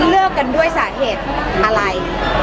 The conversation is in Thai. เลือกกันด้วยสาเหตุอะไร